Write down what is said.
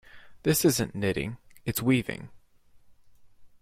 This isn't knitting, its weaving.